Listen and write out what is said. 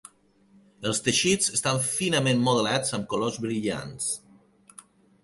Els teixits estan finament modelats amb colors brillants.